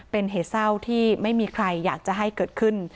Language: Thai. เป็นเหตุเศร้าที่ไม่มีใครอยากจะให้เกิดขึ้น